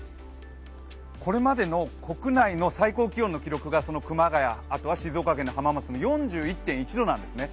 これまでの国内の最高気温の記録が熊谷、あとは静岡県の浜松の４１．１度なんですね。